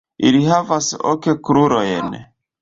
Ili havas ok krurojn.